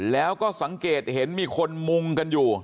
แล้วก็สังเกตเห็นมีคนมุงกันอยู่